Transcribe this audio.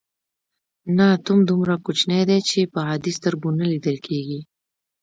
نه اتوم دومره کوچنی دی چې په عادي سترګو نه لیدل کیږي.